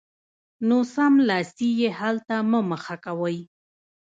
نو سملاسي یې حل ته مه مخه کوئ